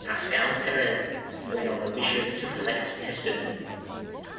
Pasqual Perez, when on a mission to collect testimony.